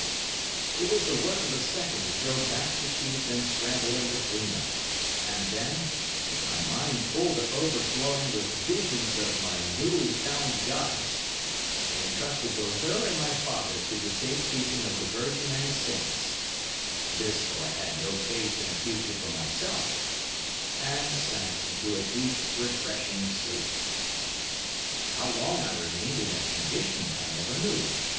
"It was the work of a second to throw back the sheets and scramble in between them, and then, with my mind full to overflowing with visions of my newly found goddess, I entrusted both her and my father to the safe keeping of the Virgin and the Saints—this though I had no faith in a future for myself—and sank into a deep refreshing sleep. "How long I remained in that condition I never knew.